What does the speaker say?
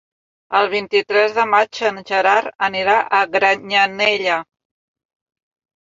El vint-i-tres de maig en Gerard anirà a Granyanella.